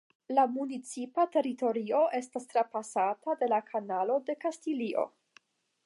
La municipa teritorio estas trapasata de la Kanalo de Kastilio.